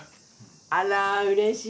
あらうれしい。